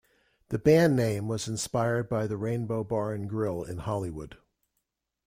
The band name was inspired by the Rainbow Bar and Grill in Hollywood.